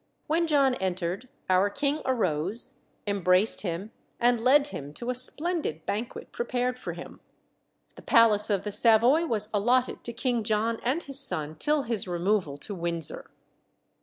When John entered, our king arose, embraced him, and led him to a splendid banquet prepared for him. The palace of the Savoy was allotted to King John and his son, till his removal to Windsor.